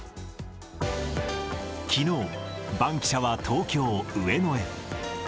きのう、バンキシャは東京・上野へ。